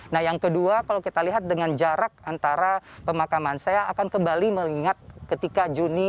nah yang kedua kalau kita lihat dengan jarak antara pemakaman saya akan kembali mengingat ketika juni